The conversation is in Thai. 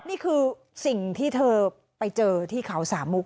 นี่คือสิ่งที่เธอไปเจอที่เขาสามมุก